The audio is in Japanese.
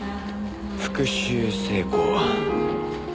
「復讐成功」